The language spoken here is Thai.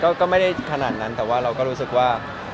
ก็ไม่ได้ขนาดนั้นแต่ว่าเราก็รู้สึกว่า